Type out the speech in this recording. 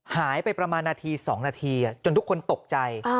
หายไปประมาณนาที๒นาทีจนทุกคนตกใจ